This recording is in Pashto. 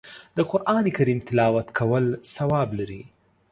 د قرآن کریم تلاوت کول ثواب لري